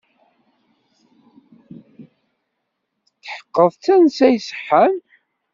Tetḥeqqeḍ d tansa iṣeḥḥan?